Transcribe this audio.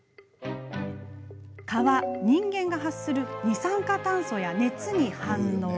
蚊は人間が発する二酸化炭素や熱に反応。